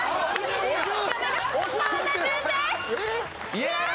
イェーイ！